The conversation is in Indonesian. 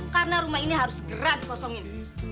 karena rumah ini harus gerak dikosongin